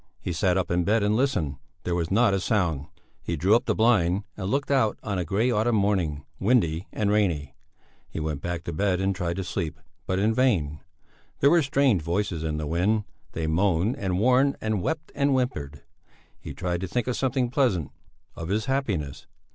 He sat up in bed and listened there was not a sound. He drew up the blind and looked out on a grey autumn morning, windy and rainy. He went back to bed and tried to sleep, but in vain. There were strange voices in the wind; they moaned and warned and wept and whimpered. He tried to think of something pleasant: of his happiness.